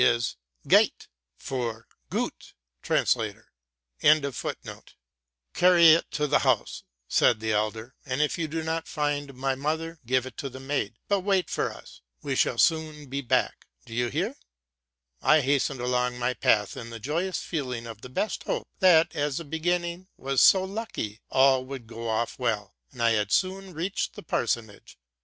'* Carry it to the house,'' said the elder, '+ and, if you o not find my mother, give it to the maid; but wait for us, ve shall soon be back, —do you hear?'' I hastened along he path in the joyous feeling of the best hope, that, as the beginning was so lucky, all would go off well; and I had soon reached the parsonage.